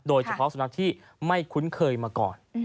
โดยเฉพาะสุนัขที่ไม่คุ้นเคยมาก่อน